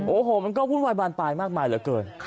โอ้โหมันก็วุ่นวายบานปลายมากมายเหลือเกิน